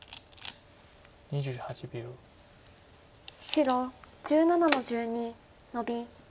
白１７の十二ノビ。